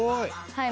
「はい。